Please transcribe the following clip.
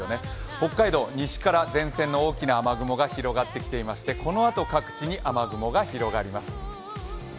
北海道、西から前線の大きな雨雲が広がってきていましてこのあと各地に雨雲が広がります。